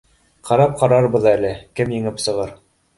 Ҡарап ҡарарбыҙ әле, кем еңеп сығыр